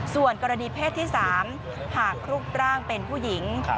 ส่วนกรณีเพศที่๓หากรูปร่างเป็นผู้หญิง